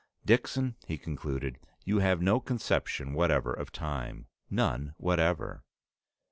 "Dixon," he concluded, "you have no conception whatever of time. None whatever."